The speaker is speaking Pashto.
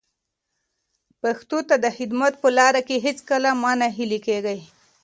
پښتو ته د خدمت په لاره کې هیڅکله مه ناهیلي کېږئ.